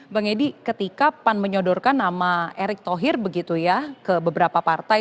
bang edi ketika pan menyodorkan nama erick thohir begitu ya ke beberapa partai